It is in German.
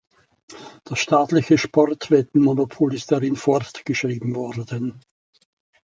Das staatliche Sportwetten-Monopol ist darin fortgeschrieben worden.